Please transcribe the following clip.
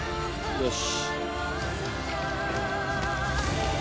よし。